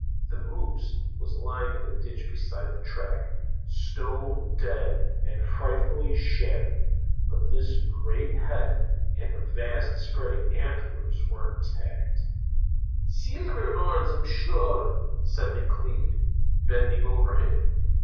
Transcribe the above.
The moose was lying in the ditch beside the track, stone dead and frightfully shattered. But the great head and the vast spreading antlers were intact. "Seelverhorrns, sure enough!" said McLeod, bending over him.